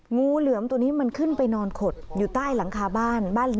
งูเหลือมตัวนี้มันขึ้นไปนอนขดอยู่ใต้หลังคาบ้าน